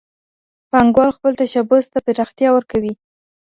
پانګوال خپل تشبث ته پراختیا ورکوي.